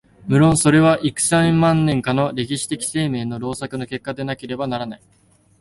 無論それは幾千万年かの歴史的生命の労作の結果でなければならない。